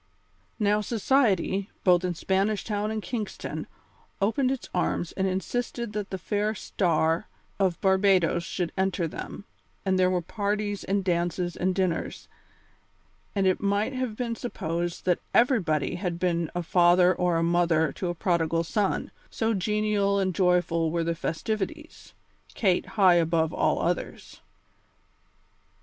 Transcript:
Now society, both in Spanish Town and Kingston, opened its arms and insisted that the fair star of Barbadoes should enter them, and there were parties and dances and dinners, and it might have been supposed that everybody had been a father or a mother to a prodigal son, so genial and joyful were the festivities Kate high above all others.